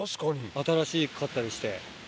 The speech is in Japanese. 新しかったりして。